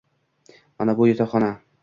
Mana bu yotoqxona.